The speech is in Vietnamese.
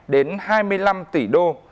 đến hai mươi năm tỷ đô